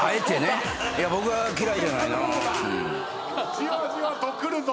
じわじわとくるぞ。